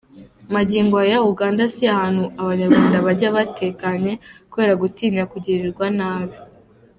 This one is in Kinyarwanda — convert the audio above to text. Magingo aya, Uganda si ahantu abanyarwanda bajya batekanye kubera gutinya kugirirwa nabi.